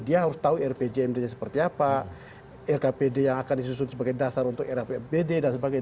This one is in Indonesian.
dia harus tahu rpjmd nya seperti apa rkpd yang akan disusun sebagai dasar untuk rapbd dan sebagainya